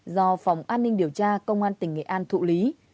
do phòng an ninh điều tra công an tỉnh nghệ an thụ lý